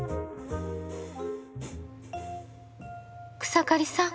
草刈さん。